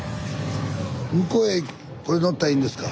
向こうへこれ乗ったらいいんですか？